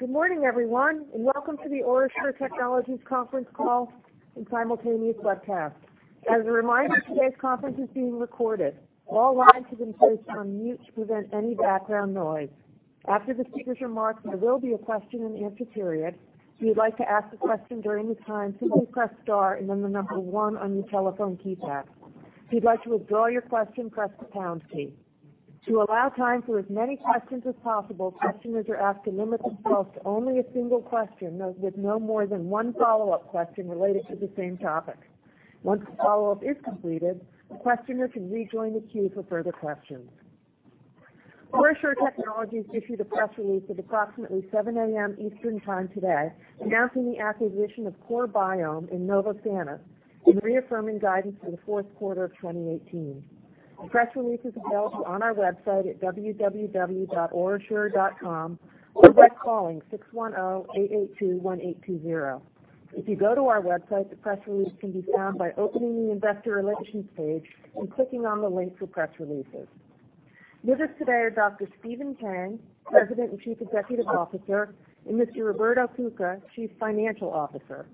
Good morning, everyone, and welcome to the OraSure Technologies Conference Call and Simultaneous Webcast. As a reminder, today's conference is being recorded. All lines have been placed on mute to prevent any background noise. After the speaker's remarks, there will be a question and answer period. If you'd like to ask a question during this time, simply press star and then the number one on your telephone keypad. If you'd like to withdraw your question, press the pound key. To allow time for as many questions as possible, questioners are asked to limit themselves to only a single question, with no more than one follow-up question related to the same topic. Once the follow-up is completed, the questioner can rejoin the queue for further questions. OraSure Technologies issued a press release at approximately 7:00 A.M. Eastern Time today, announcing the acquisition of CoreBiome and Novosanis and reaffirming guidance for the Q4 of 2018. The press release is available on our website at www.orasure.com or by calling 610-882-1820. If you go to our website, the press release can be found by opening the Investor Relations page and clicking on the link for press releases. With us today are Dr. Stephen Tang, President and Chief Executive Officer, and Mr. Roberto Cuca, Chief Financial Officer.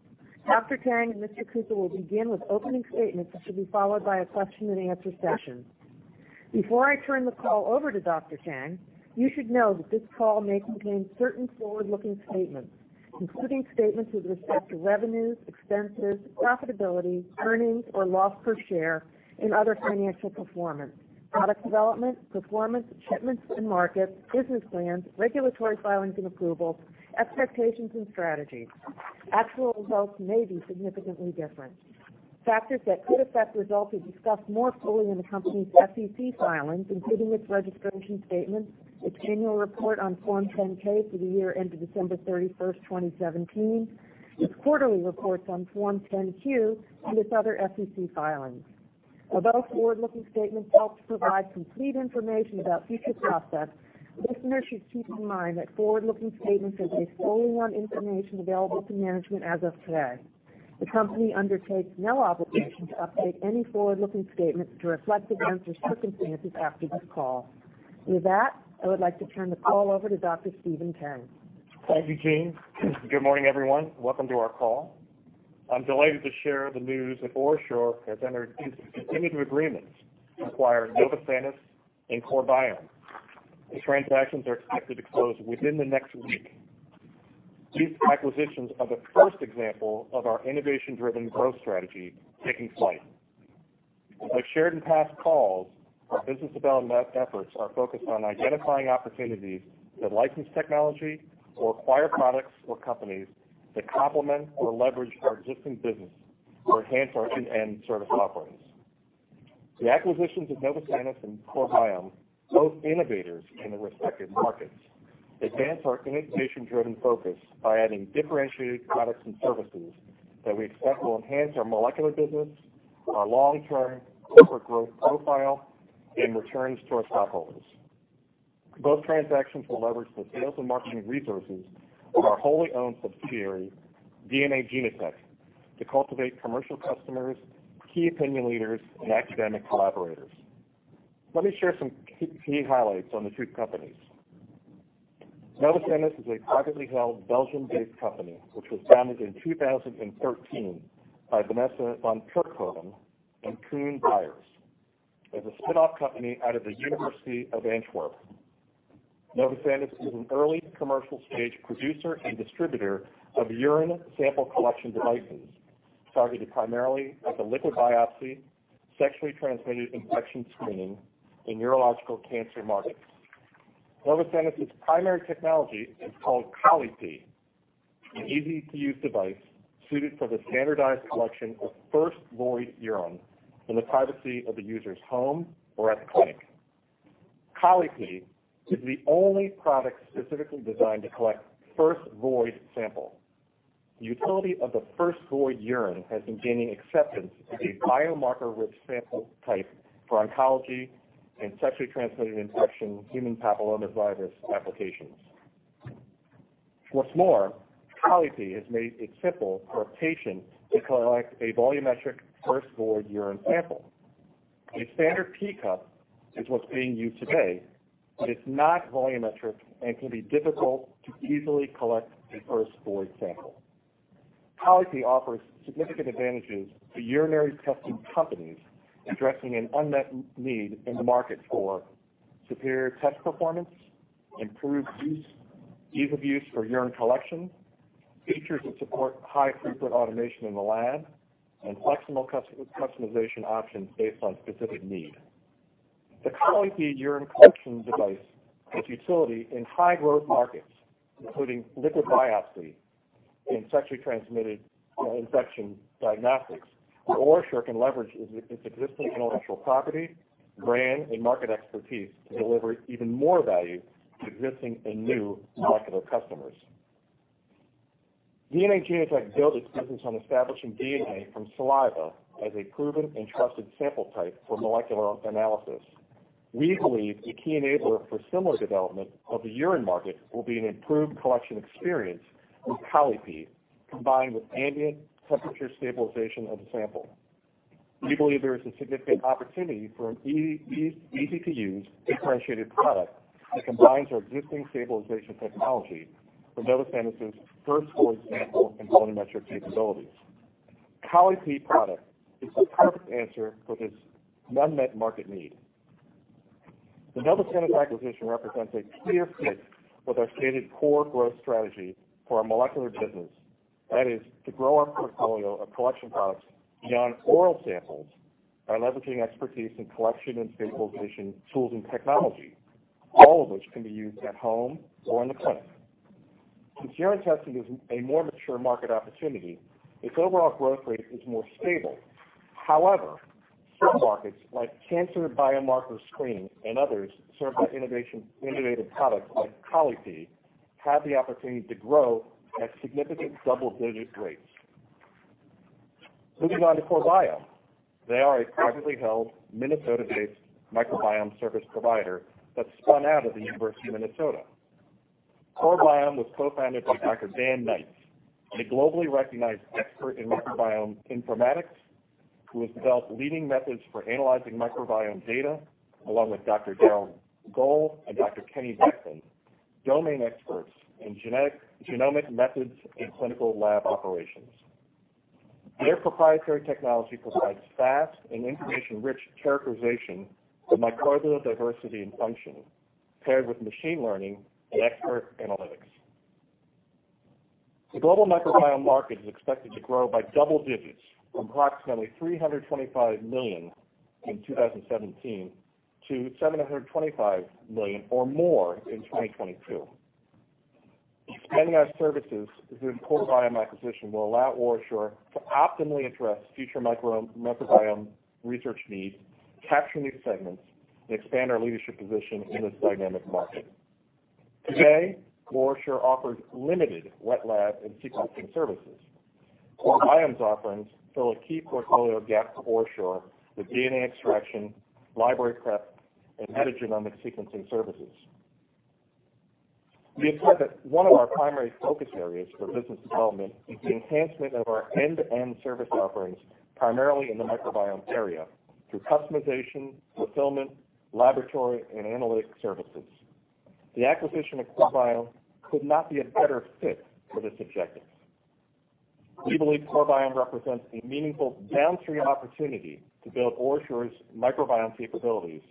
Dr. Tang and Mr. Cuca will begin with opening statements, which will be followed by a question and answer session. Before I turn the call over to Dr. Tang, you should know that this call may contain certain forward-looking statements, including statements with respect to revenues, expenses, profitability, earnings or loss per share and other financial performance, product development, performance, shipments and markets, business plans, regulatory filings and approvals, expectations and strategies. Actual results may be significantly different. Factors that could affect results are discussed more fully in the company's SEC filings, including its registration statement, its annual report on Form 10-K for the year ended December 31st, 2017, its quarterly reports on Form 10-Q, and its other SEC filings. Although forward-looking statements help to provide complete information about future prospects, listeners should keep in mind that forward-looking statements are based only on information available to management as of today. The company undertakes no obligation to update any forward-looking statements to reflect events or circumstances after this call. With that, I would like to turn the call over to Dr. Stephen Tang. Thank you, Jean. Good morning, everyone. Welcome to our call. I'm delighted to share the news that OraSure has entered into definitive agreements to acquire Novosanis and CoreBiome. The transactions are expected to close within the next week. These acquisitions are the first example of our innovation-driven growth strategy taking flight. As I've shared in past calls, our business development efforts are focused on identifying opportunities to license technology or acquire products or companies that complement or leverage our existing business or enhance our end-to-end service offerings. The acquisitions of Novosanis and CoreBiome, both innovators in their respective markets, advance our innovation-driven focus by adding differentiated products and services that we expect will enhance our molecular business, our long-term corporate growth profile, and returns to our stockholders. Both transactions will leverage the sales and marketing resources of our wholly owned subsidiary, DNA Genotek, to cultivate commercial customers, key opinion leaders, and academic collaborators. Let me share some key highlights on the two companies. Novosanis is a privately held Belgian-based company, which was founded in 2013 by Vanessa Vankerckhoven and Koen Beyers as a spinoff company out of the University of Antwerp. Novosanis is an early commercial stage producer and distributor of urine sample collection devices, targeted primarily at the liquid biopsy, sexually transmitted infection screening, and urological cancer markets. Novosanis's primary technology is called Colli-Pee, an easy-to-use device suited for the standardized collection of first-void urine in the privacy of the user's home or at the clinic. Colli-Pee is the only product specifically designed to collect first void sample. The utility of the first-void urine has been gaining acceptance as a biomarker-rich sample type for oncology and sexually transmitted infection, human papillomavirus applications. Colli-Pee has made it simple for a patient to collect a volumetric first-void urine sample. A standard pee cup is what's being used today, it's not volumetric and can be difficult to easily collect a first void sample. Colli-Pee offers significant advantages to urinary testing companies, addressing an unmet need in the market for superior test performance, improved ease of use for urine collection, features that support high-throughput automation in the lab, and flexible customization options based on specific need. The Colli-Pee urine collection device has utility in high-growth markets, including liquid biopsy and sexually transmitted infection diagnostics, where OraSure can leverage its existing intellectual property, brand, and market expertise to deliver even more value to existing and new molecular customers. DNA Genotek built its business on establishing DNA from saliva as a proven and trusted sample type for molecular analysis. We believe a key enabler for similar development of the urine market will be an improved collection experience with Colli-Pee, combined with ambient temperature stabilization of the sample. We believe there is a significant opportunity for an easy-to-use differentiated product that combines our existing stabilization technology with Novosanis' first-void sample and volumetric capabilities. Colli-Pee product is the perfect answer for this unmet market need. The Novosanis acquisition represents a clear fit with our stated core growth strategy for our molecular business. That is to grow our portfolio of collection products beyond oral samples by leveraging expertise in collection and stabilization tools and technology, all of which can be used at home or in the clinic. Since urine testing is a more mature market opportunity, its overall growth rate is more stable. However, certain markets like cancer biomarker screening and others served by innovative products like Colli-Pee, have the opportunity to grow at significant double-digit rates. Moving on to CoreBiome. They are a privately held Minnesota-based microbiome service provider that spun out of the University of Minnesota. CoreBiome was co-founded by Dr. Dan Knights, a globally recognized expert in microbiome informatics, who has developed leading methods for analyzing microbiome data, along with Dr. Daryl Gohl and Dr. Kenny Beauchamp, domain experts in genomic methods and clinical lab operations. Their proprietary technology provides fast and information-rich characterization of microbial diversity and function, paired with machine learning and expert analytics. The global microbiome market is expected to grow by double digits from approximately $325 million in 2017 to $725 million or more in 2022. Expanding our services through the CoreBiome acquisition will allow OraSure to optimally address future microbiome research needs, capture new segments, and expand our leadership position in this dynamic market. Today, OraSure offers limited wet lab and sequencing services. CoreBiome's offerings fill a key portfolio gap for OraSure with DNA extraction, library prep, and metagenomic sequencing services. We have said that one of our primary focus areas for business development is the enhancement of our end-to-end service offerings, primarily in the microbiome area, through customization, fulfillment, laboratory, and analytic services. The acquisition of CoreBiome could not be a better fit for this objective. We believe CoreBiome represents a meaningful downstream opportunity to build OraSure's microbiome capabilities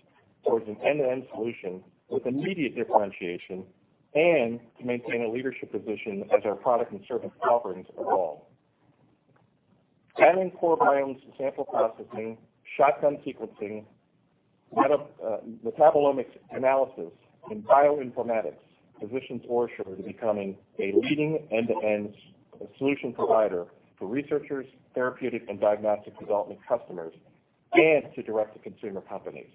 towards an end-to-end solution with immediate differentiation, and to maintain a leadership position as our product and service offerings evolve. Adding CoreBiome's sample processing, shotgun sequencing, metabolomics analysis, and bioinformatics, positions OraSure to becoming a leading end-to-end solution provider for researchers, therapeutic, and diagnostic development customers, and to direct-to-consumer companies.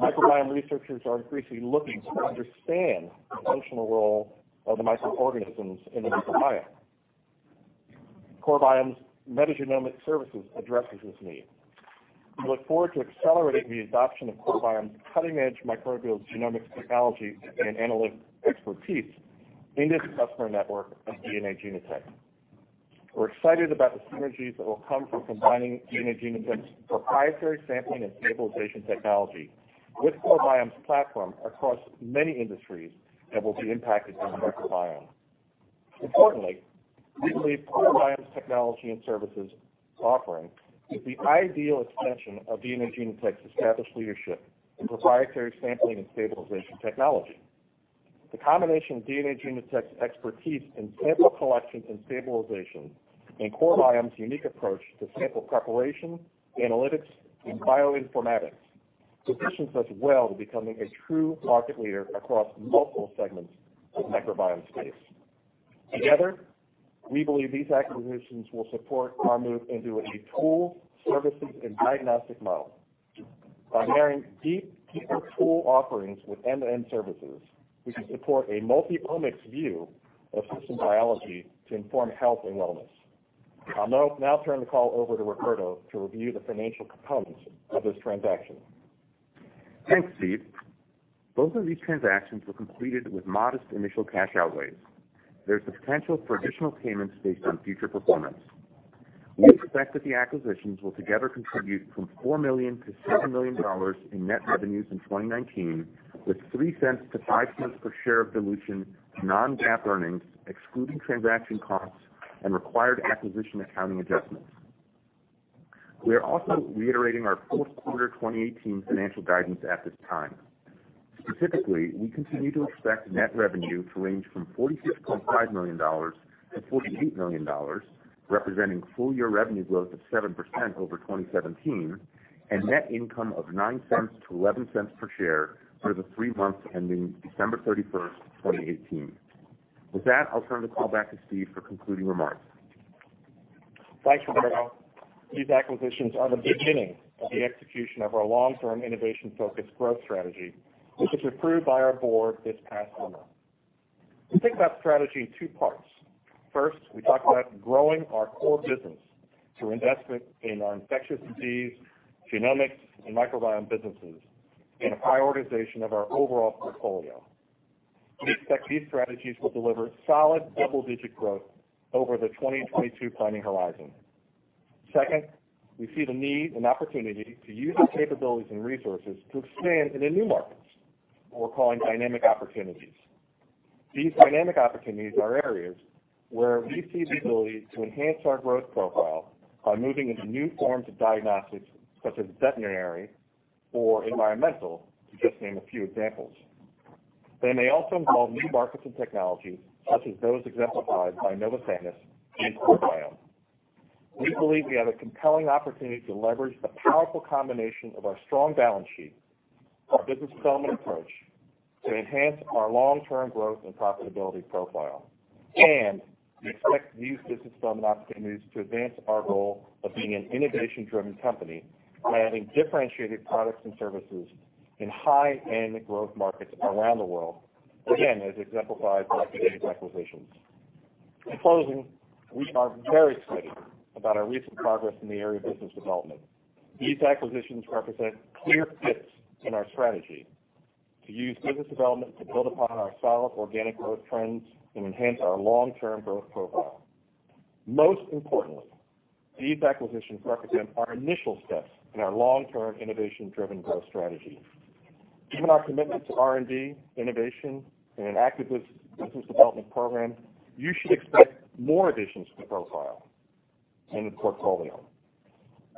Microbiome researchers are increasingly looking to understand the functional role of the microorganisms in the microbiome. CoreBiome's metagenomic services addresses this need. We look forward to accelerating the adoption of CoreBiome's cutting-edge microbial genomics technology and analytic expertise into the customer network of DNA Genotek. We're excited about the synergies that will come from combining DNA Genotek's proprietary sampling and stabilization technology with CoreBiome's platform across many industries that will be impacted by the microbiome. Importantly, we believe CoreBiome's technology and services offering is the ideal extension of DNA Genotek's established leadership in proprietary sampling and stabilization technology. The combination of DNA Genotek's expertise in sample collection and stabilization, and CoreBiome's unique approach to sample preparation, analytics, and bioinformatics, positions us well to becoming a true market leader across multiple segments of the microbiome space. Together, we believe these acquisitions will support our move into a tools, services, and diagnostic model. By marrying deeper tool offerings with end-to-end services, we can support a multi-omics view of human biology to inform health and wellness. I'll now turn the call over to Roberto to review the financial components of this transaction. Thanks, Stephen. Both of these transactions were completed with modest initial cash outlays. There's potential for additional payments based on future performance. We expect that the acquisitions will together contribute from $4 million to $7 million in net revenues in 2019, with $0.03 to $0.05 per share of dilution to non-GAAP earnings, excluding transaction costs and required acquisition accounting adjustments. We are also reiterating our Q4 2018 financial guidance at this time. Specifically, we continue to expect net revenue to range from $46.5 million to $48 million, representing full-year revenue growth of 7% over 2017, and net income of $0.09 to $0.11 per share for the three months ending December 31st, 2018. With that, I'll turn the call back to Stephen for concluding remarks. Thanks, Roberto. These acquisitions are the beginning of the execution of our long-term innovation-focused growth strategy, which was approved by our board this past summer. We think about strategy in two parts. First, we talked about growing our core business through investment in our infectious disease, genomics, and microbiome businesses in a prioritization of our overall portfolio. We expect these strategies will deliver solid double-digit growth over the 2022 planning horizon. Second, we see the need and opportunity to use our capabilities and resources to expand into new markets, what we're calling dynamic opportunities. These dynamic opportunities are areas where we see the ability to enhance our growth profile by moving into new forms of diagnostics, such as veterinary or environmental, to just name a few examples. They may also involve new markets and technologies, such as those exemplified by Novosanis and CoreBiome. We believe we have a compelling opportunity to leverage the powerful combination of our strong balance sheet, our business development approach, to enhance our long-term growth and profitability profile. We expect new business development opportunities to advance our goal of being an innovation-driven company by adding differentiated products and services in high-end growth markets around the world, again, as exemplified by today's acquisitions. In closing, we are very excited about our recent progress in the area of business development. These acquisitions represent clear fits in our strategy to use business development to build upon our solid organic growth trends and enhance our long-term growth profile. Most importantly, these acquisitions represent our initial steps in our long-term innovation-driven growth strategy. Given our commitment to R&D, innovation, and an active business development program, you should expect more additions to the profile and the portfolio.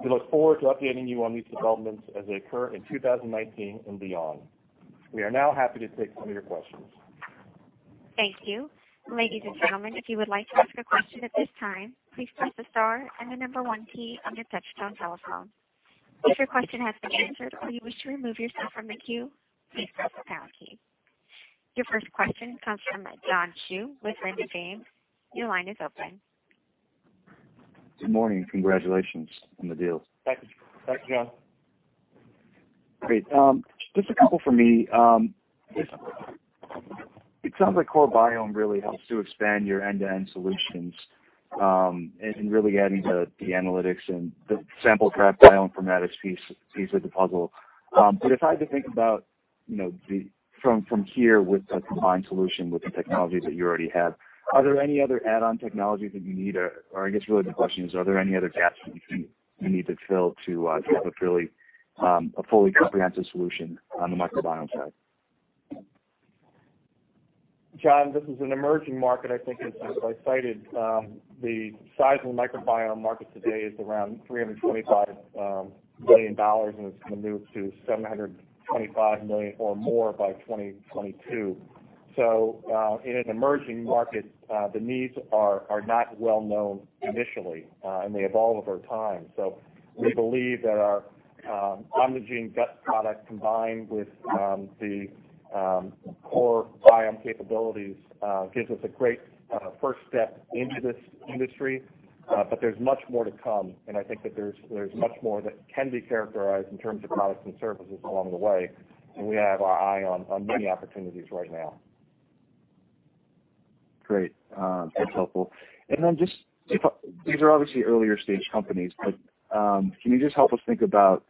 We look forward to updating you on these developments as they occur in 2019 and beyond. We are now happy to take some of your questions. Thank you. Ladies and gentlemen, if you would like to ask a question at this time, please press the star and the number one key on your touchtone telephone. If your question has been answered or you wish to remove yourself from the queue, please press the pound key. Your first question comes from John Hsu with Raymond James. Your line is open. Good morning. Congratulations on the deal. Thanks. Thanks, John. Great. Just a couple from me. It sounds like CoreBiome really helps to expand your end-to-end solutions, and really adding the analytics and the sample prep bioinformatics piece of the puzzle. If I had to think about from here with a combined solution with the technologies that you already have, are there any other add-on technologies that you need? I guess really the question is, are there any other gaps that you think you need to fill to get a fully comprehensive solution on the microbiome side? John, this is an emerging market. I think as I cited, the size of the microbiome market today is around $325 million, and it's going to move to $725 million or more by 2022. In an emerging market, the needs are not well-known initially, and they evolve over time. We believe that our OMNIgene•GUT product, combined with the CoreBiome capabilities, gives us a great first step into this industry, but there's much more to come, and I think that there's much more that can be characterized in terms of products and services along the way. We have our eye on many opportunities right now. Great. That's helpful. Just, these are obviously earlier-stage companies, but can you just help us think about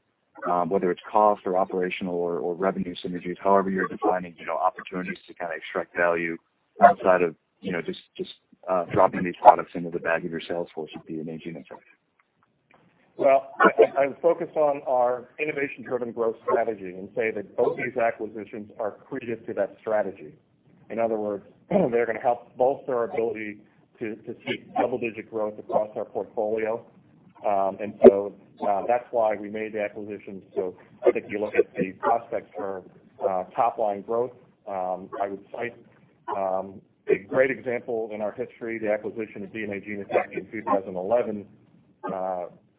whether it's cost or operational or revenue synergies, however you're defining opportunities to extract value outside of just dropping these products into the bag of your sales force with the DNA Genotek? Well, I would focus on our innovation-driven growth strategy and say that both these acquisitions are accretive to that strategy. In other words, they're going to help bolster our ability to seek double-digit growth across our portfolio. That's why we made the acquisitions. I think you look at the prospects for top-line growth, I would cite a great example in our history, the acquisition of DNA Genotek in 2011,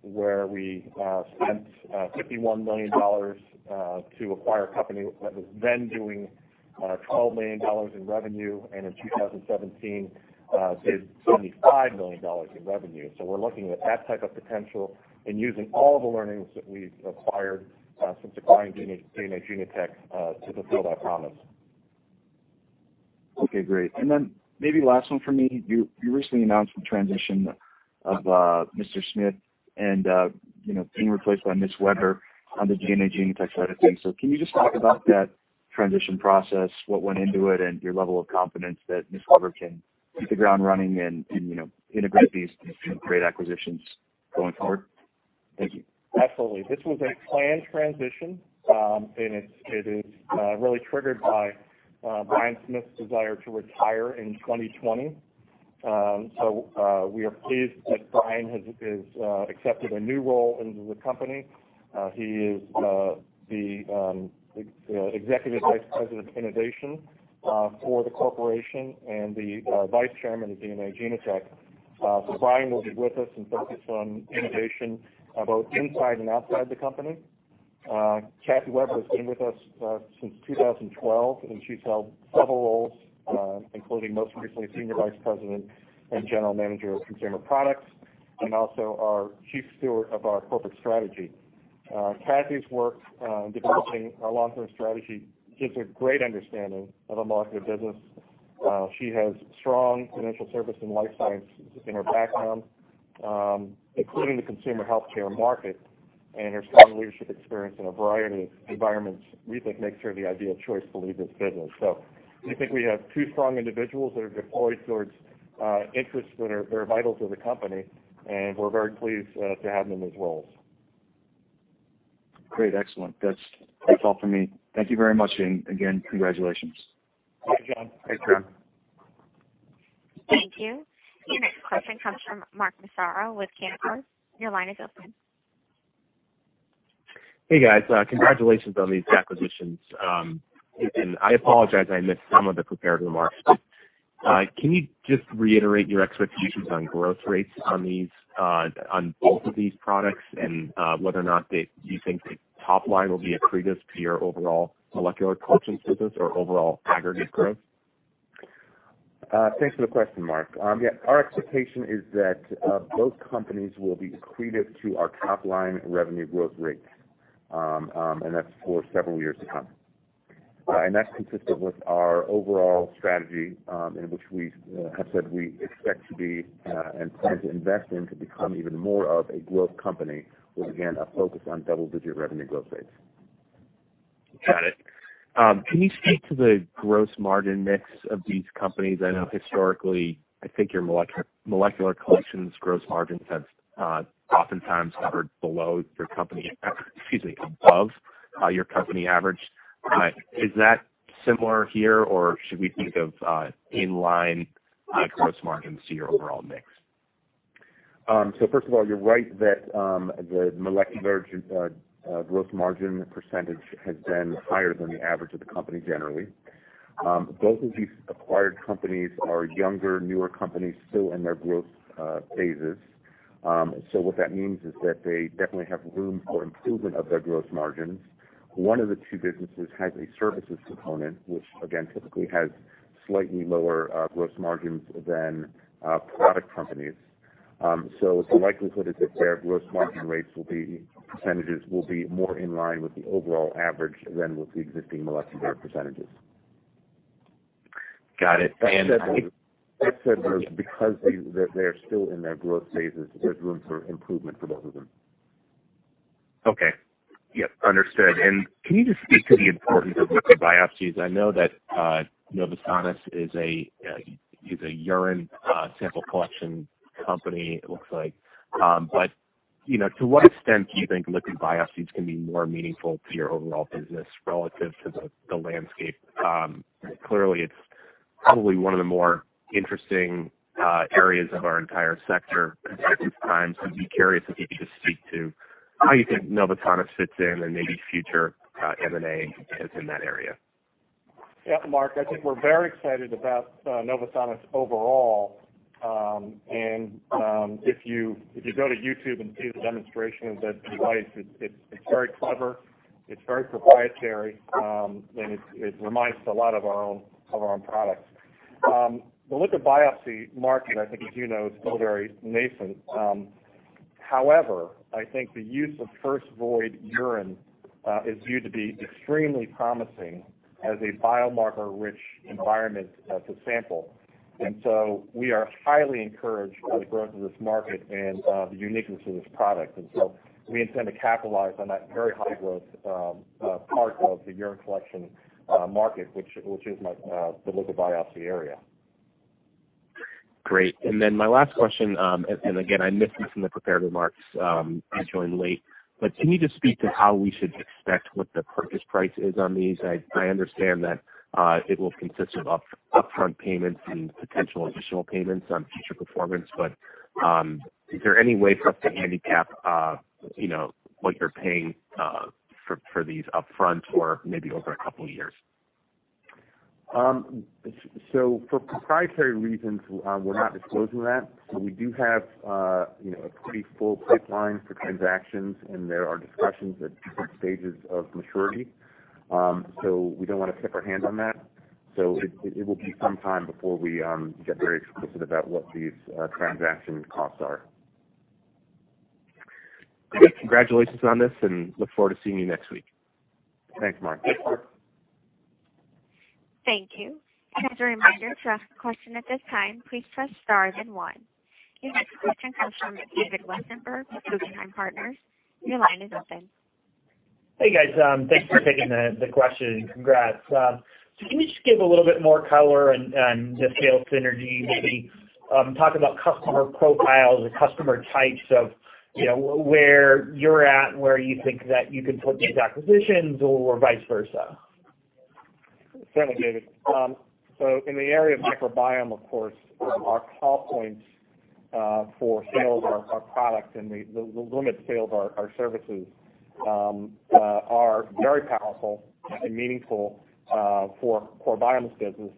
where we spent $51 million to acquire a company that was then doing $12 million in revenue, and in 2017, did $75 million in revenue. We're looking at that type of potential and using all the learnings that we've acquired since acquiring DNA Genotek to fulfill that promise. Okay, great. Maybe last one from me. You recently announced the transition of Brian Smith and being replaced by Kathleen Weber on the DNA Genotek side of things. Can you just talk about that transition process, what went into it, and your level of confidence that Kathleen Weber can hit the ground running and integrate these great acquisitions going forward? Thank you. Absolutely. This was a planned transition. It is really triggered by Brian Smith's desire to retire in 2020. We are pleased that Brian has accepted a new role into the company. He is the Executive Vice President of Innovation for the corporation and the Vice Chairman of DNA Genotek. Brian will be with us and focus on innovation both inside and outside the company. Kathleen Weber has been with us since 2012, and she's held several roles, including, most recently, Senior Vice President and General Manager of Consumer Products, and also our Chief Steward of our Corporate Strategy. Kathleen's work developing our long-term strategy gives her great understanding of our market and business. She has strong financial service and life science in her background, including the consumer healthcare market, and her strong leadership experience in a variety of environments, we think makes her the ideal choice to lead this business. We think we have two strong individuals that are deployed towards interests that are vital to the company, and we're very pleased to have them in these roles. Great. Excellent. That's all for me. Thank you very much. Again, congratulations. Bye, John. Thanks, John. Thank you. Your next question comes from Mark Massaro with Canaccord. Your line is open. Hey, guys. Congratulations on these acquisitions. I apologize I missed some of the prepared remarks, can you just reiterate your expectations on growth rates on both of these products and whether or not that you think the top line will be accretive to your overall Molecular Solutions business or overall aggregate growth? Thanks for the question, Mark. Yeah, our expectation is that both companies will be accretive to our top-line revenue growth rates, that's for several years to come. That's consistent with our overall strategy, in which we have said we expect to be and plan to invest in to become even more of a growth company with, again, a focus on double-digit revenue growth rates. Got it. Can you speak to the gross margin mix of these companies? I know historically, I think your molecular collections gross margins have oftentimes hovered above your company average. Is that similar here, or should we think of in-line gross margins to your overall mix? First of all, you're right that the Molecular gross margin percentage has been higher than the average of the company generally. Both of these acquired companies are younger, newer companies still in their growth phases. What that means is that they definitely have room for improvement of their gross margins. One of the two businesses has a services component, which, again, typically has slightly lower gross margins than product companies. The likelihood is that their gross margin rates percentages will be more in line with the overall average than with the existing Molecular percentages. Got it. That said, because they're still in their growth phases, there's room for improvement for both of them. Okay. Yep, understood. Can you just speak to the importance of liquid biopsies? I know that Novosanis is a urine sample collection company, it looks like. To what extent do you think liquid biopsies can be more meaningful to your overall business relative to the landscape? Clearly, it's probably one of the more interesting areas of our entire sector at this time. I'd be curious if you could just speak to how you think Novosanis fits in and maybe future M&A in that area. Mark, I think we're very excited about Novosanis overall. If you go to YouTube and see the demonstration of the device, it's very clever, it's very proprietary, and it reminds us a lot of our own products. The liquid biopsy market, I think as you know, is still very nascent. I think the use of first-void urine is viewed to be extremely promising as a biomarker-rich environment to sample. We are highly encouraged by the growth of this market and the uniqueness of this product. We intend to capitalize on that very high-growth part of the urine collection market, which is the liquid biopsy area. Great. My last question, again, I missed this in the prepared remarks. I joined late. Can you just speak to how we should expect what the purchase price is on these? I understand that it will consist of upfront payments and potential additional payments on future performance. Is there any way for us to handicap what you're paying for these upfront or maybe over a couple of years? For proprietary reasons, we're not disclosing that. We do have a pretty full pipeline for transactions, and there are discussions at different stages of maturity. We don't want to tip our hand on that. It will be some time before we get very explicit about what these transaction costs are. Great. Congratulations on this, look forward to seeing you next week. Thanks, Mark. Thanks, Mark. Thank you. As a reminder, to ask a question at this time, please press star then one. Your next question comes from David Westenberg with Guggenheim Partners. Your line is open. Hey, guys. Thanks for taking the question. Congrats. Can you just give a little bit more color on the scale synergy, maybe talk about customer profiles or customer types of where you are at and where you think that you can put these acquisitions or vice versa? Certainly, David. In the area of microbiome, of course, our call points for sales of our product and the limit sales of our services are very powerful and meaningful for our biomes business.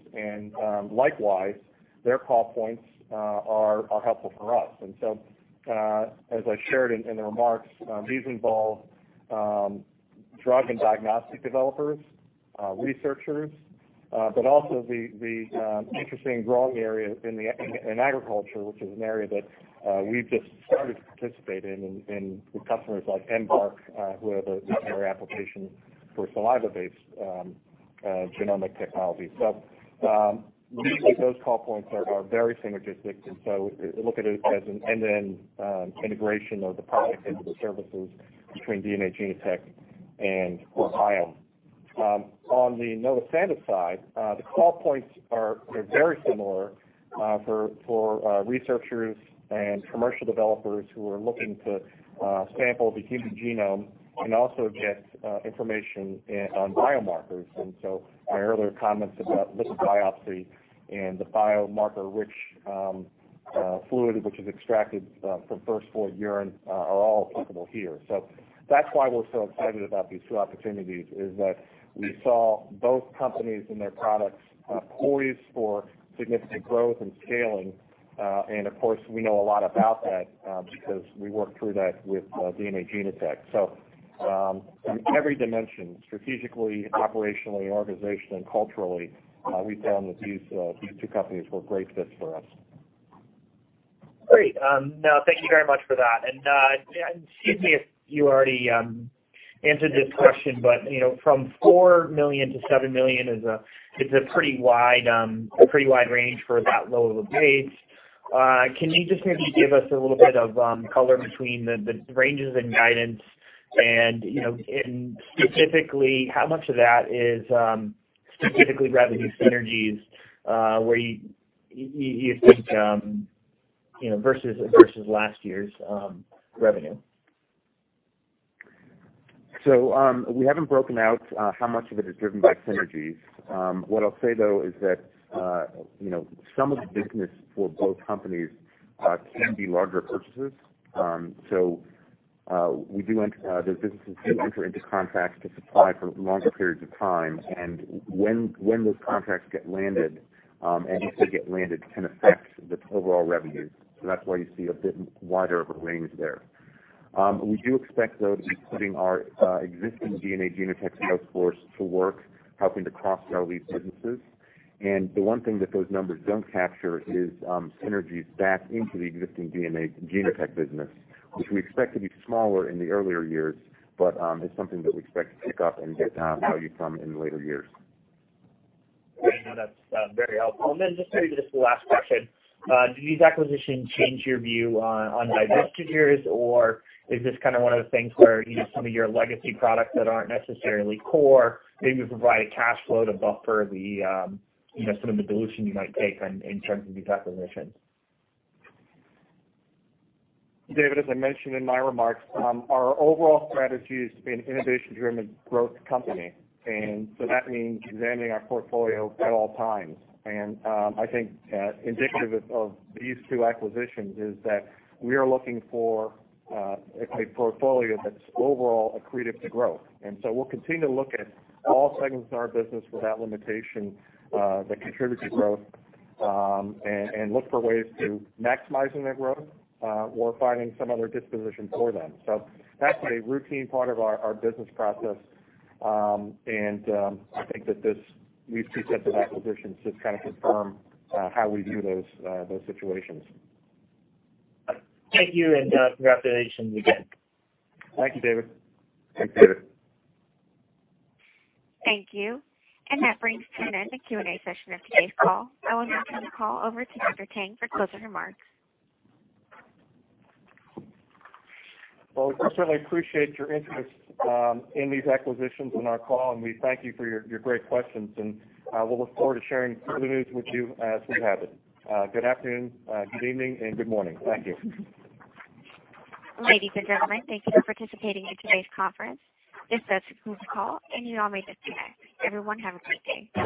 Likewise, their call points are helpful for us. As I shared in the remarks, these involve drug and diagnostic developers, researchers, but also the interesting growing area in agriculture, which is an area that we've just started to participate in with customers like Embark, who have a primary application for saliva-based genomic technology. We think those call points are very synergistic, and so look at it as an end-to-end integration of the products into the services between DNA Genotek and OraSure. On the Novosanis side, the call points are very similar for researchers and commercial developers who are looking to sample the human genome and also get information on biomarkers. My earlier comments about liquid biopsy and the biomarker-rich fluid, which is extracted from first-void urine, are all applicable here. That's why we're so excited about these two opportunities is that we saw both companies and their products poised for significant growth and scaling. Of course, we know a lot about that because we worked through that with DNA Genotek. From every dimension, strategically, operationally, organizationally, and culturally, we found that these two companies were a great fit for us. Great. No, thank you very much for that. Excuse me if you already answered this question, but from $4 million to $7 million is a pretty wide range for that low of a base. Can you just maybe give us a little bit of color between the ranges and guidance and specifically how much of that is specifically revenue synergies where you think versus last year's revenue? We haven't broken out how much of it is driven by synergies. What I'll say, though, is that some of the business for both companies can be larger purchases. Those businesses do enter into contracts to supply for longer periods of time and when those contracts get landed and if they get landed can affect the total overall revenue. That's why you see a bit wider of a range there. We do expect, though, to be putting our existing DNA Genotek sales force to work helping to cross-sell these businesses. The one thing that those numbers don't capture is synergies back into the existing DNA Genotek business, which we expect to be smaller in the earlier years, but is something that we expect to pick up and value from in later years. Great. No, that's very helpful. Then just maybe just the last question. Do these acquisitions change your view on divestitures, or is this one of those things where some of your legacy products that aren't necessarily core, maybe provide a cash flow to buffer some of the dilution you might take in terms of these acquisitions? David, as I mentioned in my remarks, our overall strategy is to be an innovation-driven growth company. That means examining our portfolio at all times. I think indicative of these two acquisitions is that we are looking for a portfolio that's overall accretive to growth. We'll continue to look at all segments of our business without limitation that contribute to growth and look for ways to maximizing that growth or finding some other disposition for them. That's a routine part of our business process, and I think that these two sets of acquisitions just confirm how we view those situations. Thank you, and congratulations again. Thank you, David. Thanks, David. Thank you. That brings to an end the Q&A session of today's call. I will now turn the call over to Dr. Tang for closing remarks. Well, we certainly appreciate your interest in these acquisitions and our call, and we thank you for your great questions, and we'll look forward to sharing further news with you as we have it. Good afternoon, good evening, and good morning. Thank you. Ladies and gentlemen, thank you for participating in today's conference. This does conclude the call, and you all may disconnect. Everyone, have a great day.